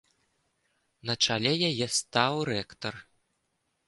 На чале яе стаў рэктар.